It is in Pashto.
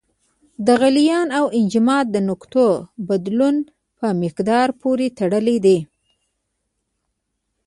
د غلیان او انجماد د نقطو بدلون په مقدار پورې تړلی دی.